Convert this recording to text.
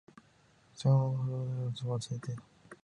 最終回の放送が終わると、すぐに忘れ去られた。風化した。